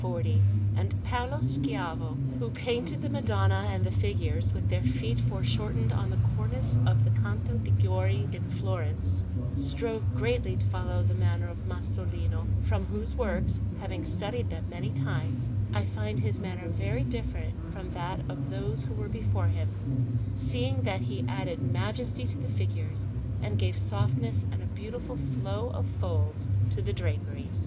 And Paolo Schiavo who painted the Madonna and the figures with their feet foreshortened on the cornice on the Canto de' Gori in Florence strove greatly to follow the manner of Masolino, from whose works, having studied them many times, I find his manner very different from that of those who were before him, seeing that he added majesty to the figures, and gave softness and a beautiful flow of folds to the draperies.